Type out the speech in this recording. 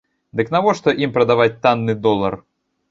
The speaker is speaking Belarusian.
Дык навошта ім прадаваць танны долар?